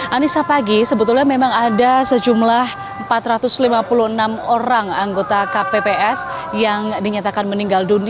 anissa pagi sebetulnya memang ada sejumlah empat ratus lima puluh enam orang anggota kpps yang dinyatakan meninggal